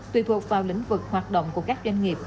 tùy thuộc vào lĩnh vực hoạt động của các doanh nghiệp